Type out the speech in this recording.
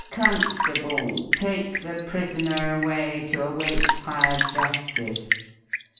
Constable, take the prisoner away to await higher justice.